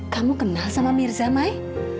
kamu kenal sama mirza mai